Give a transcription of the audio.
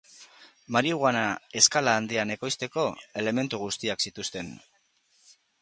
Marihuana eskala handian ekoizteko elementu guztiak zituzten.